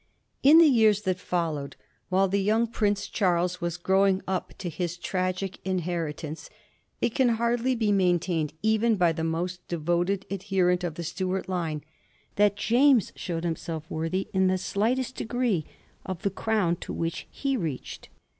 In the years that followed, while the young Prince Charles was growing up to his tragic inheritance, it can hardly be maintained, even by the most devoted adherent of the Stuart line, that James showed himself in the slight est degree worthy of the crown towards which he reached.